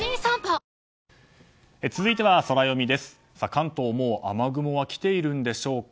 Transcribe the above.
関東もう雨雲は来ているんでしょうか。